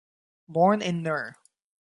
Born in Nr.